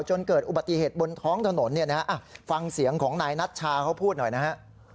จนเกิดอุบัติเหตุบนท้องถนนเนี่ยนะฮะฟังเสียงของนายนัชชาเขาพูดหน่อยนะฮะ